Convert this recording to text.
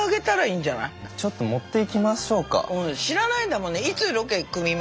知らないんだもんね。